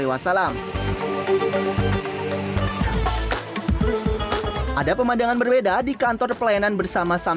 ada pemandangan berbeda di kantor pelayanan berdasarkan perusahaan